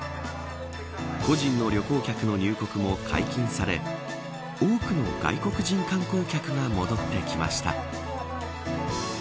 個人の旅行客の入国も解禁され多くの外国人観光客が戻ってきました。